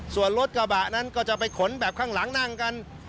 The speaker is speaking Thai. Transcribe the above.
ส่วนรถกระบะนั้นก็จะไปขนแบบข้างหลังนั่งกัน